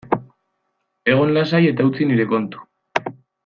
Egon lasai eta utzi nire kontu.